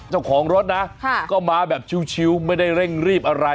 เจ้าของรถนะก็มาแบบชิวไม่ได้เร่งรีบอะไร